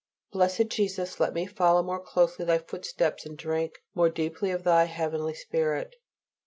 Blessed Jesus! let me follow more closely Thy holy footsteps, and drink more deeply of Thy heavenly spirit.